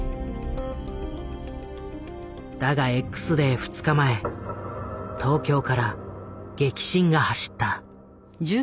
だがＸデー２日前東京から激震が走った。